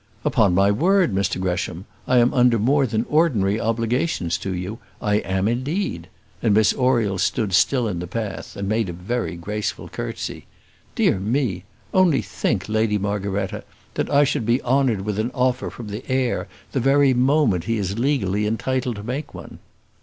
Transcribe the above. "Upon my word, Mr Gresham, I am under more than ordinary obligations to you; I am indeed," and Miss Oriel stood still in the path, and made a very graceful curtsy. "Dear me! only think, Lady Margaretta, that I should be honoured with an offer from the heir the very moment he is legally entitled to make one."